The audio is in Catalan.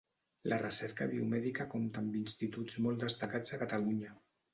La recerca biomèdica compta amb instituts molt destacats a Catalunya.